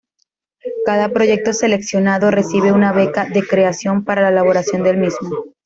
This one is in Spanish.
Cada proyecto seleccionado recibe una beca de creación para la elaboración del mismo.